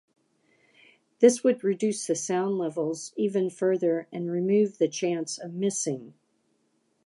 This would reduce the sound levels even further and remove the chance of missing.